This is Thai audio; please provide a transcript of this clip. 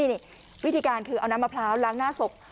นี่วิธีการคือเอาน้ำมะพร้าวล้างหน้าศพ